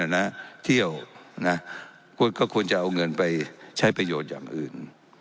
นะเที่ยวนะคุณก็ควรจะเอาเงินไปใช้ประโยชน์อย่างอื่น